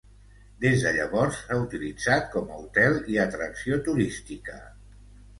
Des de llavors, s"ha utilitzat com a hotel i atracció turística.